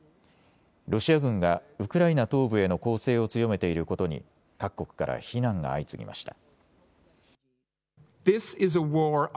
ロシア軍がウクライナ東部への攻勢を強めていることに各国から非難が相次ぎました。